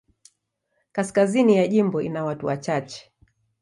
Kaskazini ya jimbo ina watu wachache.